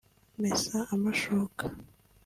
mesa amashuka